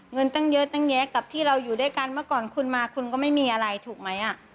เงินตั้งเยอะตั้งแยะกับที่เราอยู่ด้วยกันเมื่อก่อนคุณมาคุณก็ไม่มีอะไรถูกไหม